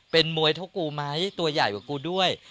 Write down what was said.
เป็นมวยเท่ากูไหมตัวใหญ่กว่ากูด้วย